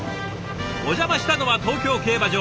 お邪魔したのは東京競馬場。